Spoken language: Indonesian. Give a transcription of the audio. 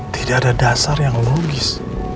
tidak ada dasar yang logis